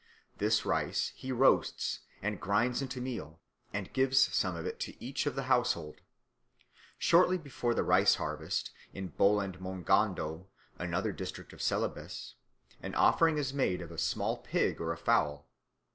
This rice he roasts and grinds into meal, and gives some of it to each of the household. Shortly before the rice harvest in Boland Mongondo, another district of Celebes, an offering is made of a small pig or a fowl.